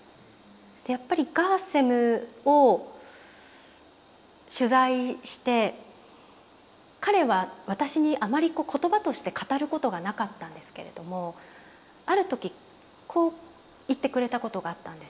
やっぱりガーセムを取材して彼は私にあまり言葉として語ることがなかったんですけれどもある時こう言ってくれたことがあったんです。